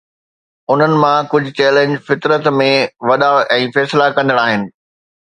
انهن مان ڪجهه چئلينج فطرت ۾ وڏا ۽ فيصلا ڪندڙ آهن.